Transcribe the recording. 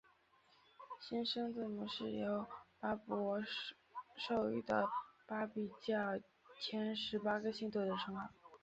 新生字母是由巴孛授予的巴比教前十八个信徒的称号。